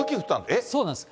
そうなんです。